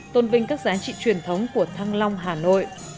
tôn vinh các giá trị truyền thống của thăng long hà nội